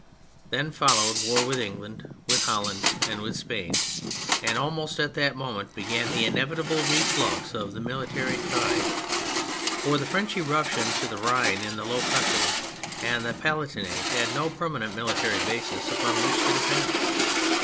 Then followed war with England, with Holland, and with Spain; and almost at that moment began the inevitable reflux of the military tide. For the French eruption up to the Rhine in the Low Countries and the Palatinate, had no permanent military basis upon wh^'ch to depend.